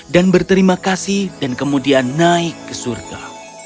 dan berterima kasih dan kemudian naik ke surga